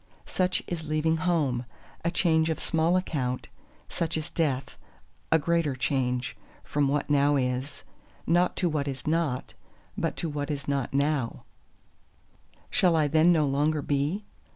Such is leaving home, a change of small account; such is Death, a greater change, from what now is, not to what is not, but to what is not now. "Shall I then no longer be?"